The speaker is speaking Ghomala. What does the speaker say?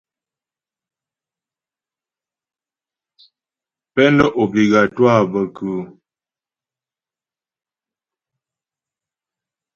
Peine obligatoire bə kʉ́ʉ́ ?